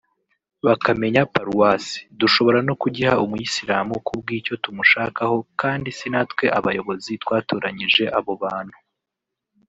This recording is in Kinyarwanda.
bakamenya paruwasi…dushobora no kugiha umuyisilamu kubw’icyo tumushakaho kandi si natwe abayobozi twatoranyije abo bantu